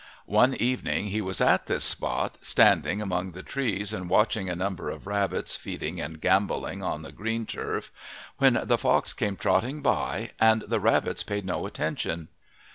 One evening he was at this spot, standing among the trees and watching a number of rabbits feeding and gambolling on the green turf, when the fox came trotting by and the rabbits paid no attention.